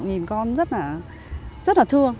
nhìn con rất là thương